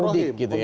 untuk mudik gitu ya